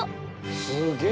すげえ！